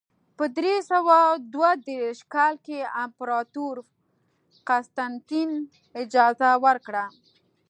په درې سوه دوه دېرش کال کې امپراتور قسطنطین اجازه ورکړه.